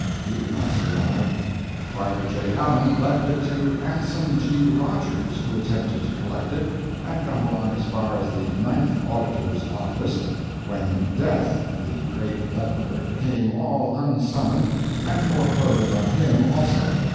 He did not survive. Barker J. Allen left it to Anson G. Rogers, who attempted to collect it, and got along as far as the Ninth Auditor's Office, when Death, the great Leveler, came all unsummoned, and foreclosed on him also.